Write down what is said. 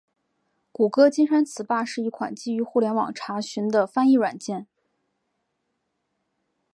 谷歌金山词霸是一款基于互联网查询的翻译软件。